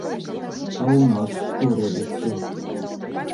А ў нас што робіцца?